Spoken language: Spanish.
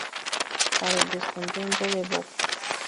Para el descontento de Bob.